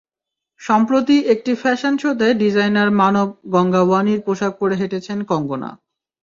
সম্প্রতি একটি ফ্যাশন শোতে ডিজাইনার মানব গঙ্গাওয়ানির পোশাক পরে হেঁটেছেন কঙ্গনা।